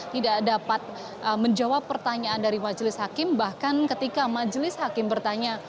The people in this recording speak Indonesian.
tidak dapat menjawab pertanyaan dari majelis hakim bahkan ketika majelis hakim bertanya